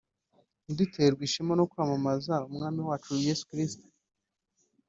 ntiduterwe ishema no kwamamaza Umwami wacu Yesu Kristo